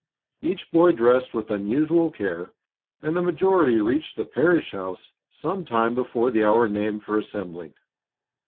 Each boy dressed with unusual care, and the majority reached the parish house some time before the hour named for assembling.